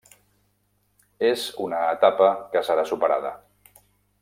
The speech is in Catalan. És una etapa que serà superada.